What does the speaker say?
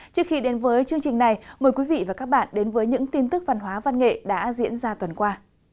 trước khi đến với chương trình này mời quý vị và các bạn đến với những tin tức văn hóa văn nghệ đã diễn ra tuần qua